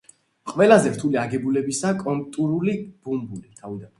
ყველაზე რთული აგებულებისაა კონტურული ბუმბული.